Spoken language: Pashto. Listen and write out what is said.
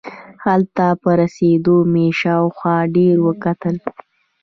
هلته په رسېدو مې شاوخوا ډېر وکتل.